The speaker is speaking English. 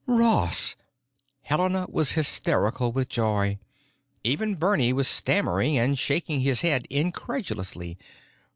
"Ross!" Helena was hysterical with joy. Even Bernie was stammering and shaking his head incredulously.